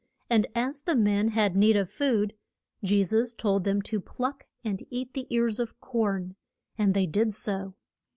And as the men had need of food, Je sus told them to pluck and eat the ears of corn. And they did so.